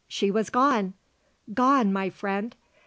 She was gone. Gone, my friend.